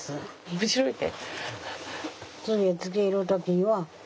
面白いね。